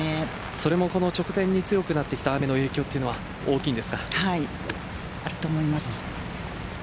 それもこの直前に強くなってきた雨の影響というのは大きいんですか？